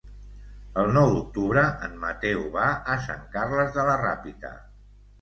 El nou d'octubre en Mateu va a Sant Carles de la Ràpita.